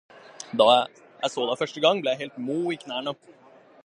Da jeg så deg første gang, ble jeg helt mo i knærne.